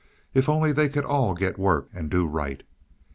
"If only they could all get work and do right."